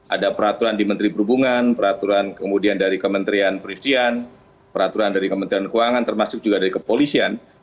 ada peraturan di menteri perhubungan peraturan kemudian dari kementerian perisian peraturan dari kementerian keuangan termasuk juga dari kepolisian